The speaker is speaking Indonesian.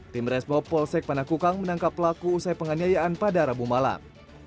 tim resmo polsek panah kukang menangkap pelaku usai penganyayaan pada rabu malam